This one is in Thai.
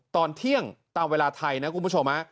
ตอนเที่ยงตามเวลาไทยนะคุณผู้ชม